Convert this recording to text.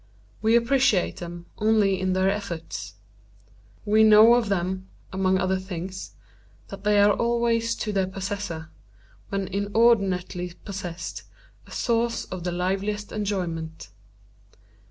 We appreciate them only in their effects. We know of them, among other things, that they are always to their possessor, when inordinately possessed, a source of the liveliest enjoyment.